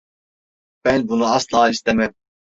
Ben bunu asla istemem.